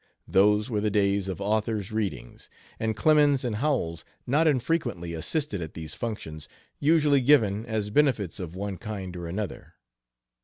Those were the days of "authors' readings," and Clemens and Howells not infrequently assisted at these functions, usually given as benefits of one kind or another.